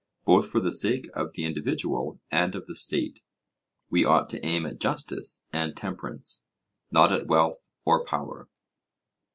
Both for the sake of the individual and of the state, we ought to aim at justice and temperance, not at wealth or power.